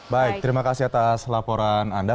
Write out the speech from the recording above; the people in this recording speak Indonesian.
baik terima kasih atas laporan anda